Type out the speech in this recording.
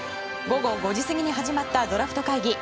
午後５時過ぎに始まったドラフト会議